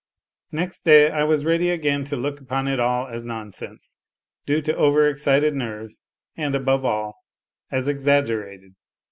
Next day I was ready again to look upon it all as nonsense, due to over excited nerves, and, aBove all, as exaggerated.